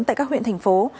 tại các huyện thành phố